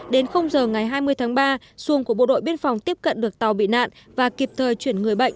đến giờ ngày hai mươi tháng ba xuồng của bộ đội biên phòng tiếp cận được tàu bị nạn và kịp thời chuyển người bệnh